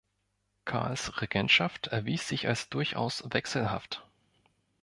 Karls Regentschaft erwies sich als durchaus wechselhaft.